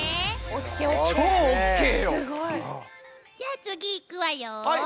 すごい！じゃあ次いくわよ。